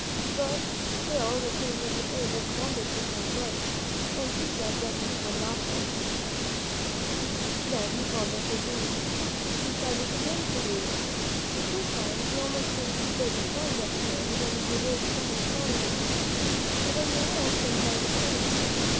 But still the Queen was afraid that Columbus was not right, and she said that she would not help him. Then M ■tK " f^.'iSt' >; vmM 17 // l! rm THE MEN WHO FOUND AMERICA Columbus was angry. He started again to leave Spain. This time he almost reached the end of Spain when he heard someone calling to him. It was a man sent by the Queen.